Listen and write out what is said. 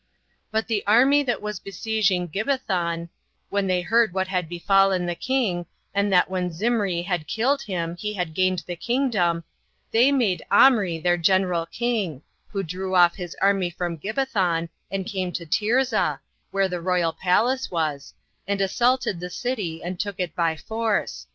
But the army that was besieging Gibbethon, when they heard what had befallen the king, and that when Zimri had killed him, he had gained the kingdom, they made Omri their general king, who drew off his army from Gibbethon, and came to Tirzah, where the royal palace was, and assaulted the city, and took it by force.